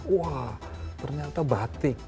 wah ternyata batik